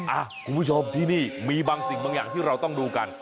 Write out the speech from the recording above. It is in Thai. คุณผู้ชมที่นี่มีบางสิ่งบางอย่างที่เราต้องดูกัน